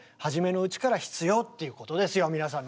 皆さんね。